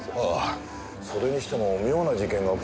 それにしても妙な事件が起きたもんですね。